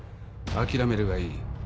諦めるがいい。